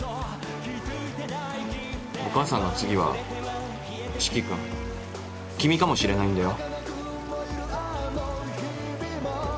お母さんの次は四鬼君君かもしれないんだよ。